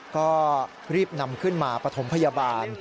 ก็รีบนำขึ้นมาปฐมพยาบาล